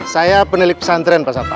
saya penik pesantren pak sapa